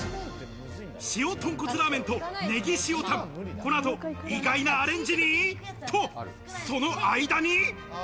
塩とんこつラーメンとねぎ塩タン、この後、意外なアレンジにと、その間に。